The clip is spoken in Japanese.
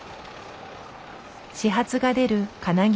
始発が出る金木駅。